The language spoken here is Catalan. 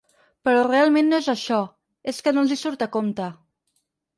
Però realment no és això: és que no els hi surt a compte.